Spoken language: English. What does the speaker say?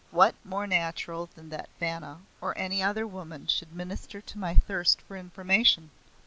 What more natural than that Vanna or any other woman should minister to my thirst for information?